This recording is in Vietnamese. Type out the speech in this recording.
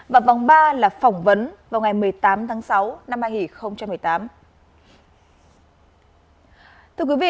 và vòng ba là phỏng vấn vào ngày một mươi tám tháng sáu năm hai nghìn một mươi tám